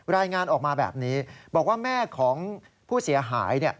รายงานออกมาแบบนี้บอกว่าแม่ของผู้เสียหาย